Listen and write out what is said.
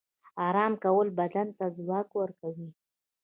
آرام کول بدن ته ځواک ورکوي